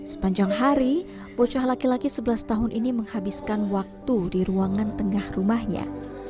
sepanjang hari bocah laki laki sebelas tahun ini menghabiskan waktu di ruangan tengah rumahnya